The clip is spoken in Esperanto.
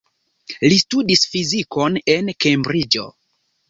Li studis fizikon en Kembriĝo.